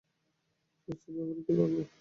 সোর্সের ব্যাপারে কী করবে?